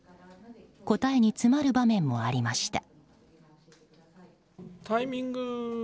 答えに詰まる場面もありました。